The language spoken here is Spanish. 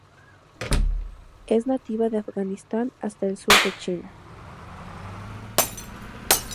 Es nativa de Afganistán hasta el sur de China.